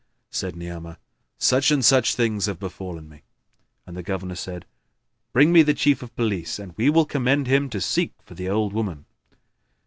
Said Ni'amah, "Such and such things have befallen me;" and the Governor said, "Bring me the Chief of Police, and we will commend him to seek for the old woman."